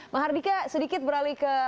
mahardika sedikit beralih ke